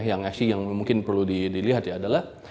yang afc yang mungkin perlu dilihat ya adalah